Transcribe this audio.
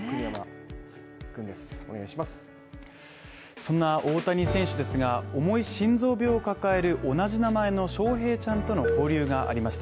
そんな大谷選手ですが、重い心臓病を抱える同じ名前の翔平ちゃんとの交流がありました。